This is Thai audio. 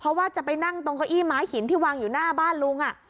เพราะว่าจะไปนั่งตรงเก้าอี้ม้าหินที่วางอยู่หน้าบ้านลุง